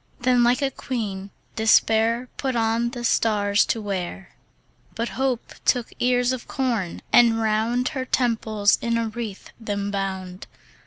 Then like a queen, Despair Put on the stars to wear. But Hope took ears of corn, and round Her temples in a wreath them bound.